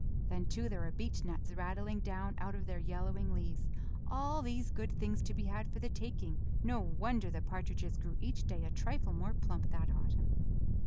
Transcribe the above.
Then too there were beechnuts rattling down out of their yellowing leaves all these good things to be had for the taking; no wonder the partridges grew each day a trifle more plump that autumn.